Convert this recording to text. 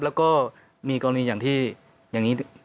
แล้วก็มีกรณีอย่างที่อย่างนี้